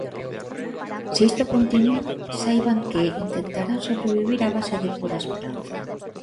Se isto continúa, saiban que intentarán sobrevivir a base de pura esperanza.